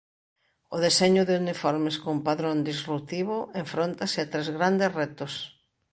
O deseño de uniformes con padrón disruptivo enfróntase a tres grandes retos.